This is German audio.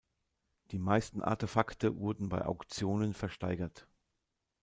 Die meisten Artefakte wurden bei Auktionen versteigert.